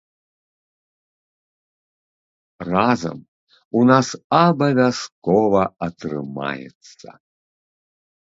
Разам у нас абавязкова атрымаецца!